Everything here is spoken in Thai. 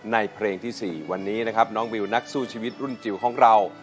ในเพลงที่๔วันนี้นะครับน้องวิวนักสู้ชีวิตรุ่นจิ๋วของเรา